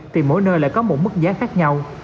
thì mỗi nơi lại có một mức giá khác nhau